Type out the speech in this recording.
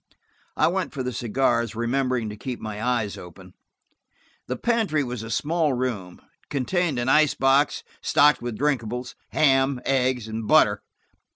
I went for the cigars, remembering to keep my eyes open. The pantry was a small room: it contained an ice box, stocked with drinkables, ham, eggs and butter.